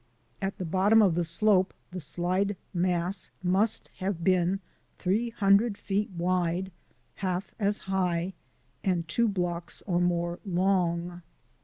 At the bottom of the slope the slide mass must have been three hundred feet wide, half as high, and two blocks or more long.